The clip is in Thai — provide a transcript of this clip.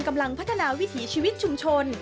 กำลังพัฒนาวิถีชีวิตชุมชน